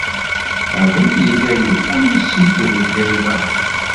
Faḍil yella yebɣa ad yessiged Layla.